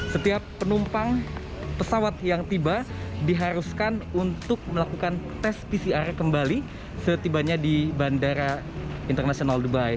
setiap penumpang pesawat yang tiba diharuskan untuk melakukan tes pcr kembali setibanya di bandara internasional dubai